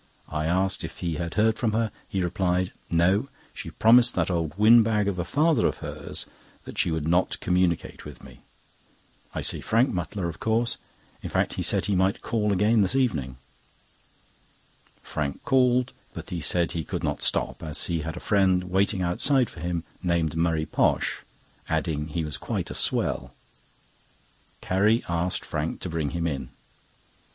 I asked if he had heard from her. He replied: "No; she promised that old windbag of a father of hers that she would not communicate with me. I see Frank Mutlar, of course; in fact, he said he might call again this evening." Frank called, but said he could not stop, as he had a friend waiting outside for him, named Murray Posh, adding he was quite a swell. Carrie asked Frank to bring him in.